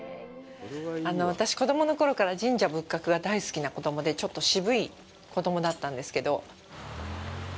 私、子供のころから神社仏閣が大好きな子供で、ちょっと渋い子供だったんですけど。